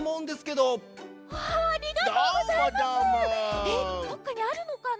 どっかにあるのかな。